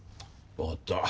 わかった。